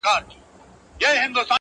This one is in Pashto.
په کوم دلیل ورځې و میکدې ته قاسم یاره،